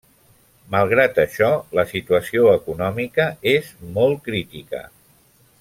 Malgrat això la situació econòmica és molt crítica.